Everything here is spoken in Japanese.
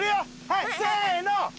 はいせーの。